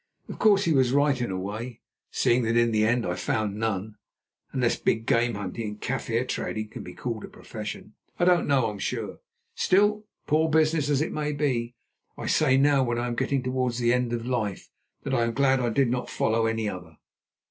Of course he was right in a way, seeing that in the end I found none, unless big game hunting and Kaffir trading can be called a profession. I don't know, I am sure. Still, poor business as it may be, I say now when I am getting towards the end of life that I am glad I did not follow any other.